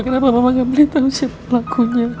kenapa mama gak boleh tahu siapa pelakunya